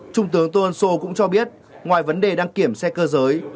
trung tướng tôn sô cũng cho biết ngoài vấn đề đăng kiểm xe cơ giới